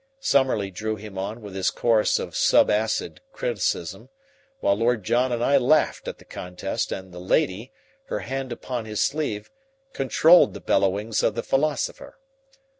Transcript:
Summerlee drew him on with his chorus of subacid criticism, while Lord John and I laughed at the contest and the lady, her hand upon his sleeve, controlled the bellowings of the philosopher.